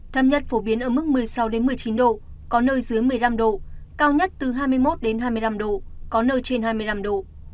thấp nhất phổ biến ở mức một mươi sáu một mươi chín độ có nơi dưới một mươi năm độ cao nhất từ hai mươi một hai mươi năm độ có nơi trên hai mươi năm độ